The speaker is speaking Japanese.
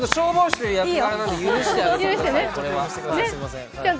消防士という役柄なので許してやってください。